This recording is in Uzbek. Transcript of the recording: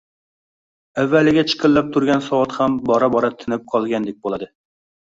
Avvaliga chiqillab turgan soat ham bora-bora tinib qolgandek bo‘ladi.